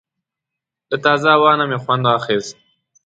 له تازه هوا نه مې خوند اخیست.